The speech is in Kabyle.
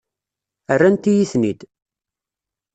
Rrant-iyi-ten-id.